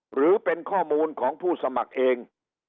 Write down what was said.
หรือเป็นข้อมูลของผู้สมัครเอง